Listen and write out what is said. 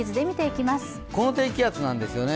この低気圧なんですよね。